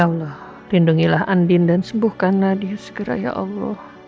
ya allah lindungilah andin dan sembuhkanlah dia segera ya allah